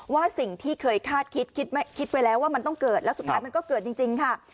ว่าสิ่งที่เคยคาดคิดคิดไว้แล้วว่ามันต้องเกิดแล้วสุดท้ายมันก็เกิดจริงค่ะ